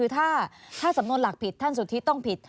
ถ้าสำนวนหลักผิดท่านสุธิต้องผิด